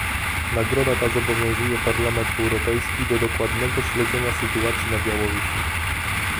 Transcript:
Nagroda ta zobowiązuje Parlament Europejski do dokładnego śledzenia sytuacji na Białorusi